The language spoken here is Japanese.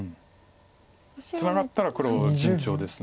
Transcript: ツナがったら黒順調です。